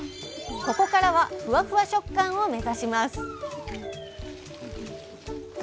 ここからはふわふわ食感を目指します